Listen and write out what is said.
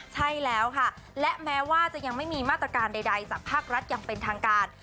ใช่แล้วค่ะและแม้ว่าจะยังไม่มีมาตรการใดจากภาครัฐอย่างเป็นทางการ